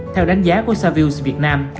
theo đánh giá của savills việt nam